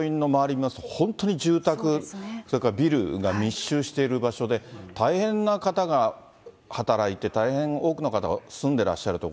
見ますと、本当に住宅、それからビルが密集している場所で、大変な方が働いて、大変多くの方が住んでらっしゃる所。